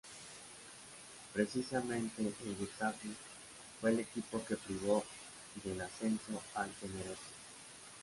Precisamente el Getafe fue el equipo que privó del ascenso al Tenerife.